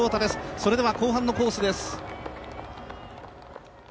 それでは後半のコースです。